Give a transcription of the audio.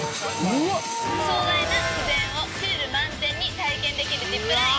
壮大な自然をスリル満点に体験できるジップライン。